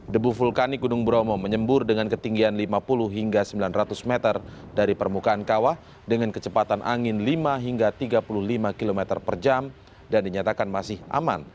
debu vulkanik gunung bromo menyembur dengan ketinggian lima puluh hingga sembilan ratus meter dari permukaan kawah dengan kecepatan angin lima hingga tiga puluh lima km per jam dan dinyatakan masih aman